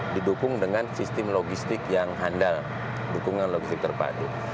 didukung dengan sistem logistik yang handal dukungan logistik terpadu